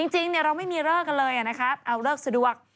จริงเราไม่มีเลิกกันเลยนะครับเอาเลิกสะดวก